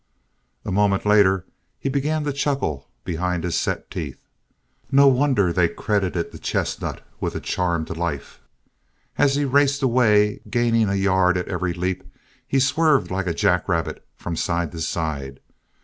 A moment later he began to chuckle behind his set teeth. No wonder they credited the chestnut with a charmed life. As he raced away gaining a yard at every leap, he swerved like a jackrabbit from side to side.